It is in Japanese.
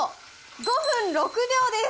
５分６秒です。